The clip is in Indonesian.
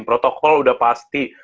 protokol udah pasti